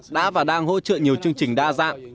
đã và đang hỗ trợ nhiều chương trình đa dạng